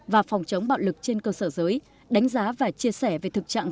và phòng chống bạo lực trên cơ sở giới đánh giá và chia sẻ về thực trạng